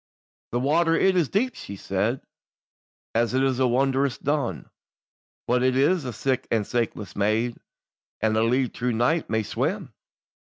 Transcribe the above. "The water it is deep," she said, "As it is wondrous dun; But it is sic as a saikless maid, And a leal true knight may swim."